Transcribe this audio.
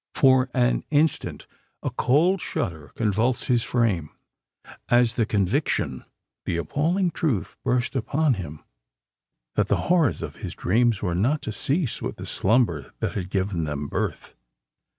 For an instant a cold shudder convulsed his frame, as the conviction—the appalling truth burst upon him, that the horrors of his dreams were not to cease with the slumber that had given them birth.